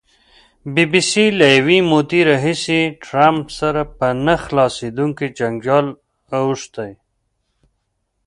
بي بي سي له یوې مودې راهیسې ټرمپ سره په نه خلاصېدونکي جنجال اوښتې.